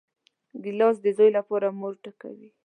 ګیلاس د زوی لپاره مور ډکوي.